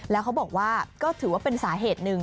แล้วเขาบอกว่าก็ถือว่าเป็นสาเหตุหนึ่ง